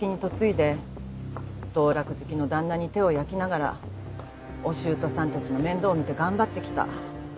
道楽好きの旦那に手を焼きながらお舅さんたちの面倒を見て頑張ってきた。